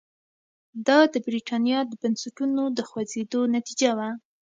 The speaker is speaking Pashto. دا د برېټانیا د بنسټونو د خوځېدو نتیجه وه.